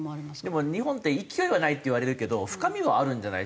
でも日本って勢いはないっていわれるけど深みはあるんじゃないですか？